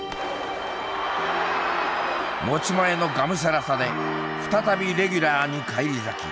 持ち前のがむしゃらさで再びレギュラーに返り咲き